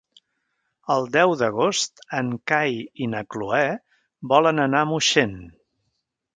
El deu d'agost en Cai i na Cloè volen anar a Moixent.